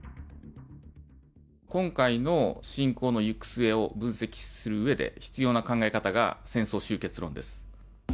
今回の侵攻の行く末を分析するうえで、必要な考え方が戦争終結論です。